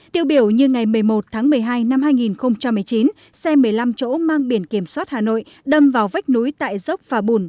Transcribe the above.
tiêu biểu như ngày một mươi một tháng một mươi hai năm hai nghìn một mươi chín xe một mươi năm chỗ mang biển kiểm soát hà nội đâm vào vách núi tại dốc phà bùn